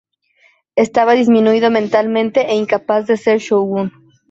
Estaba disminuido mentalmente e incapaz de ser shōgun.